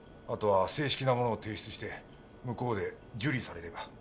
あとは正式なものを提出して向こうで受理されれば。